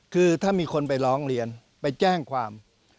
คือถ้ามีคนไปร้องเรียนไปแจ้งความ